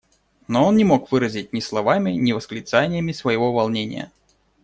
Но он не мог выразить ни словами, ни восклицаниями своего волнения.